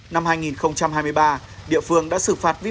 năm hai nghìn hai mươi ba địa phương đã xử phạt